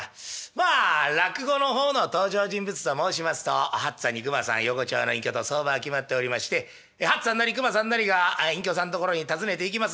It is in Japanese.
まあ落語の方の登場人物と申しますと八っつぁんに熊さん横町の隠居と相場は決まっておりまして八っつぁんなり熊さんなりが隠居さん所に訪ねていきます